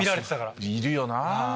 いるよな。